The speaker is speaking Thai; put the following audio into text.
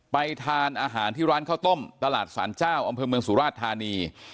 ทานอาหารที่ร้านข้าวต้มตลาดสารเจ้าอำเภอเมืองสุราชธานี